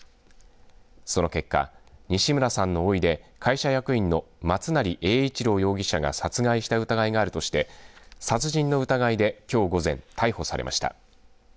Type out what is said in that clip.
その結果、西村さんのおいで会社役員の松成英一郎容疑者が殺害した疑いがあるとして殺人の疑いできょう午前、逮捕されました。